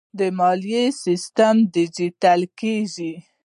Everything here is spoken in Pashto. د مالیې سیستم ډیجیټل کیږي